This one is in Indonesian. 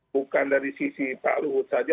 bukan dari sisi pak luhut saja